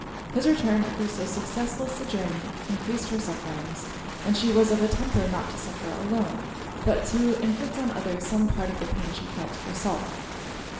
His return after so successless a journey encreased her sufferings, and she was of a temper not to suffer alone, but to inflict on others some part of the pain she felt herself.